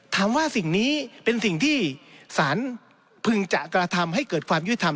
ถามว่าสิ่งนี้เป็นสิ่งที่ศาลพึงจะกระทำให้เกิดความยุติธรรม